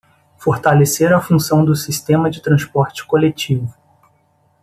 Fortalecer a função do sistema de transporte coletivo